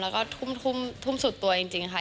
แล้วก็ทุ่มสุดตัวจริงค่ะ